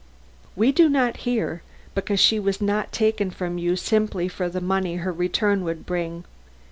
"We do not hear because she was not taken from you simply for the money her return would bring.